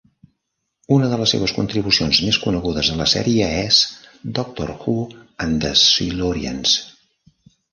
Una de les seves contribucions més conegudes a la sèrie és "Doctor Who and the Silurians".